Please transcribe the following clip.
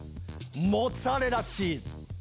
モッツァレラチーズ。